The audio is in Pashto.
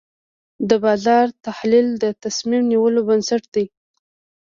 د بازار تحلیل د تصمیم نیولو بنسټ دی.